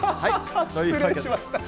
失礼しました。